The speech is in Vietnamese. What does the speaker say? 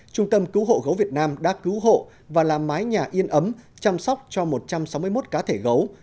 trung tâm cứu hộ gấu việt nam đã cứu hộ và làm mái nhà yên ấm chăm sóc cho một trăm sáu mươi một cá thể gấu